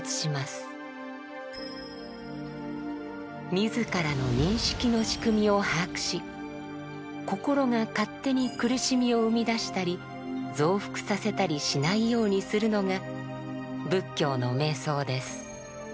自らの認識の仕組みを把握し心が勝手に苦しみを生み出したり増幅させたりしないようにするのが仏教の瞑想です。